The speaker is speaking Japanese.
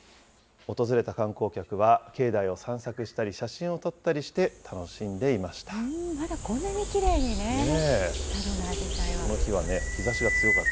訪れた観光客は、境内を散策したり、写真を撮ったりして楽しんでまだこんなにきれいにね。